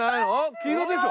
黄色でしょ？